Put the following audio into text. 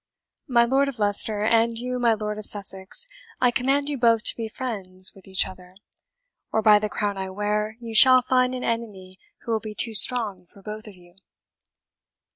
My Lord of Leicester, and you, my Lord of Sussex, I command you both to be friends with each other; or by the crown I wear, you shall find an enemy who will be too strong for both of you!"